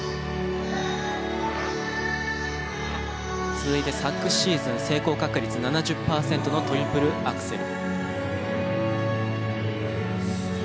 続いて昨シーズン成功確率７０パーセントのトリプルアクセル。